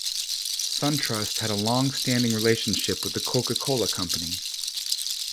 SunTrust had a long-standing relationship with The Coca-Cola Company.